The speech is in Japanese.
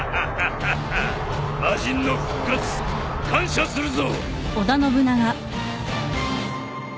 魔人の復活感謝するぞ！